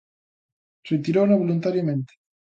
Retirouna voluntariamente.